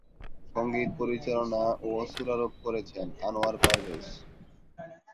সঙ্গীত পরিচালনা ও সুরারোপ করেছেন "আনোয়ার পারভেজ"।